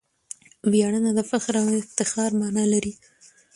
ویاړنه د فخر او افتخار مانا لري.